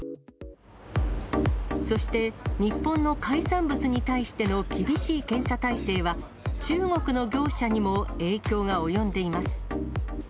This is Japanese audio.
そして、日本の海産物に対しての厳しい検査態勢は、中国の業者にも影響が及んでいます。